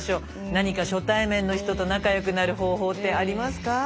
何か初対面の人と仲良くなる方法ってありますか？